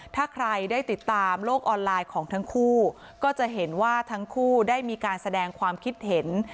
ถ้าใครได้ติดตามโลกออนไลน์ของทั้งคู่ก็จะเห็นว่าทั้งคู่ได้มีการแสดงความคิดเห็น